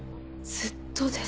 ずっとです。